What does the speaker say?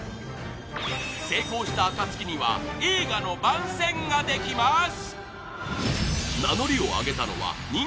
成功したあかつきには映画の番宣ができます。